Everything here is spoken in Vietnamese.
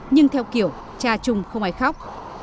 nhưng theo kiểu cha chung không ai khóc